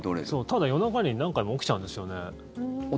ただ、夜中に何回も起きちゃうんですよね。